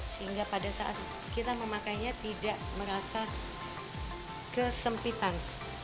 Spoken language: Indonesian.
sehingga pada saat kita memakainya tidak merasa kesempitan